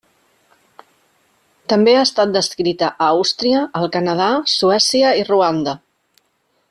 També ha estat descrita a Àustria, el Canadà, Suècia i Ruanda.